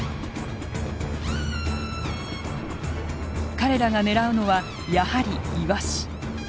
彼らが狙うのはやはりイワシ。